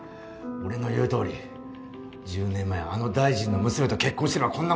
俺の言うとおり１０年前あの大臣の娘と結婚してればこんなことにならなかったんだ。